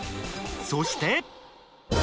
そして。